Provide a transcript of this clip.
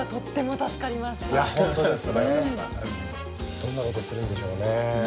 どんな事するんでしょうね。ね。